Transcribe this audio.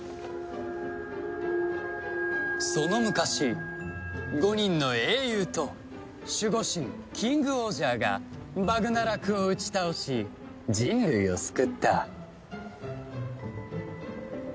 「その昔５人の英雄と守護神キングオージャーがバグナラクを打ち倒し人類を救った」